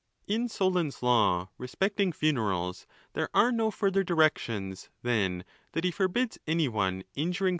In Solon's law respecting funerals, ein are no further directions than that he. forbids any one injuring.